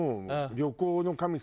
旅行の神様。